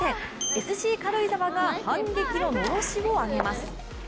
ＳＣ軽井沢が反撃ののろしを上げます。